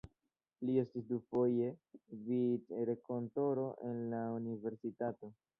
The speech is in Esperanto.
Li estis dufoje vicrektoro en la universitato.